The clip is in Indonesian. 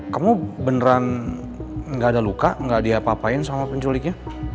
kamu beneran gak ada luka nggak diapa apain sama penculiknya